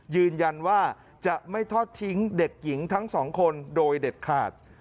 ยืนยันว่าจะไม่ทอดทิ้งเด็กหญิงทั้งสองคนโดยเด็ดขาด